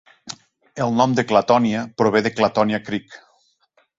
El nom de Clatonia prové de Clatonia Creek.